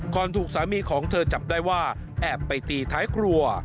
ถูกสามีของเธอจับได้ว่าแอบไปตีท้ายครัว